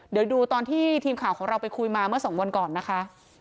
เดี๋ยวดูตอนที่ทีมข่าวของเราไปคุยมาเมื่อสองวันก่อนนะคะ